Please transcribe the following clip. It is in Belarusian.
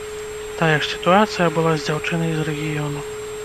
Тая ж сітуацыя была з дзяўчынай з рэгіёну.